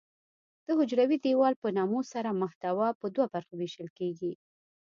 د حجروي دیوال په نمو سره محتوا په دوه برخو ویشل کیږي.